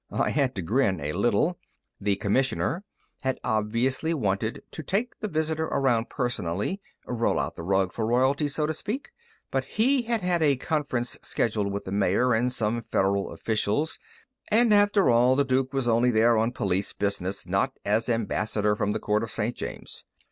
I had to grin a little; the Commissioner had obviously wanted to take the visitor around personally roll out the rug for royalty, so to speak but he had had a conference scheduled with the Mayor and some Federal officials, and, after all, the duke was only here on police business, not as Ambassador from the Court of St. James.